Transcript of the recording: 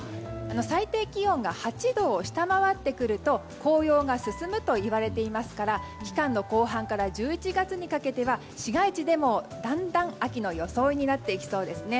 最低気温が８度を下回ってくると紅葉が進むといわれていますから期間の後半から１１月にかけては市街地でもだんだん秋の装いになってきそうですね。